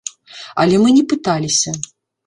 Але мы не пыталіся.